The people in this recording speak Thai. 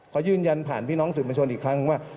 เขายืนยันผ่านพี่น้องสื่อบัญชนอีกครั้งว่า